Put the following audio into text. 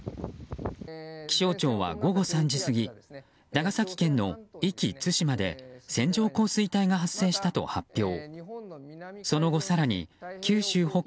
気象庁は午後３時過ぎ長崎県の壱岐・対馬で線状降水帯が発生したと発表。